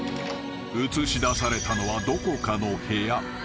［映しだされたのはどこかの部屋］